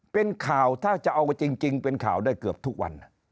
เป็นข่าวถ้าจะเอาจริงเป็นข่าวได้เกือบทุกวัน